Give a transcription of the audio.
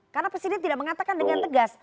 karena presiden tidak mengatakan dengan tegas